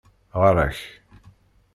Ɣarak